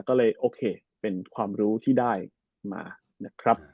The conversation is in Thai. ก็เลยโอเคเป็นความรู้ที่ได้มานะครับ